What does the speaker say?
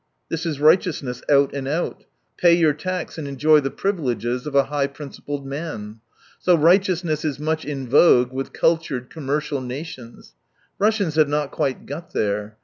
This is righteousness out and out : pay your tax and enjoy the 162 privileges of a high principled man. So righteousness is much in vogue with cul tured, commercial nations. Russians have not quite got there.